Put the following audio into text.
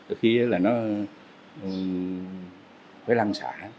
ở kia là nó phải lăn xả